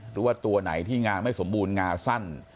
หรือว่าตัวไหนที่งาไม่สมบูรณ์งาสั้น